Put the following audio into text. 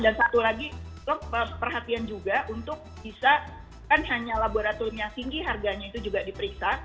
dan satu lagi perhatian juga untuk bisa kan hanya laboratorium yang tinggi harganya itu juga diperiksa